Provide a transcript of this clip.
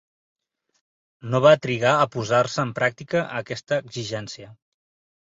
No va trigar a posar-se en pràctica aquesta exigència.